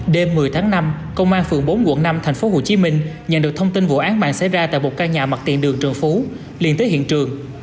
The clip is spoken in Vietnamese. đêm một mươi tháng năm công an phường bốn quận năm tp hcm nhận được thông tin vụ án mạng xảy ra tại một căn nhà mặt tiện đường trần phú liền tới hiện trường